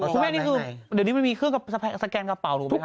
คุณแม่นี่คือเดี๋ยวนี้มันมีเครื่องสแกนกระเป๋าถูกไหมค